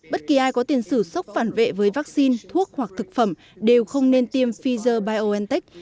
bất kỳ ai có tiền sử sốc phản vệ với vaccine thuốc hoặc thực phẩm đều không nên tiêm pfizer biontech